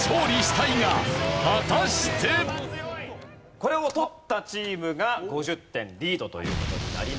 これを取ったチームが５０点リードという事になります。